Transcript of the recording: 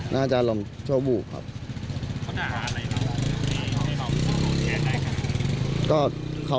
แล้วก็ชูตาสัญลักษณ์โรงเรียนให้